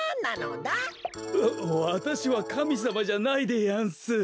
わたしはかみさまじゃないでやんす。